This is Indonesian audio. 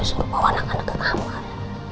terus aku bawa anak anak ke kamar